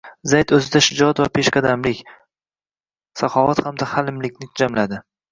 Zayd o‘zida shijoat va peshqadamlik, saxovat hamda halimlikni jamladi